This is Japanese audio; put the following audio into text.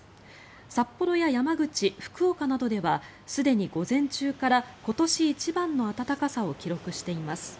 札幌や山口、福岡などではすでに午前中から今年一番の暖かさを記録しています。